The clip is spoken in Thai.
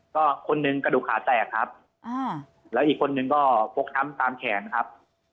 ก็คนหนึ่งกระดูกขาแตกครับแล้วอีกคนนึงก็ฟกช้ำตามแขนครับ